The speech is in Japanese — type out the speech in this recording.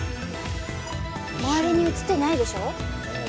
周りに映ってないでしょ？